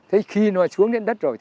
thế khi nó xuống đến đất rồi